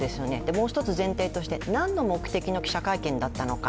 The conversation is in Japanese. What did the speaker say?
もう一つ前提として何の目的の記者会見だったのか。